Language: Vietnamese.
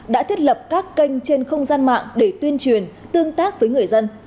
đã thiết lập các kênh trên không gian mạng để tuyên truyền tương tác với người dân